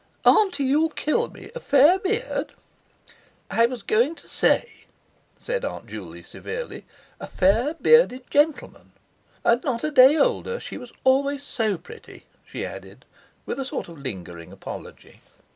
"Auntie! you'll kill me! A fair beard...." "I was going to say," said Aunt Juley severely, "a fair bearded gentleman. And not a day older; she was always so pretty," she added, with a sort of lingering apology.